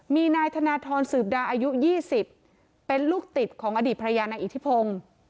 มีนายธนทรสืบดาอายุ๒๐เป็นลูกติดของอดีตภรรยานายอิทธิพงศ์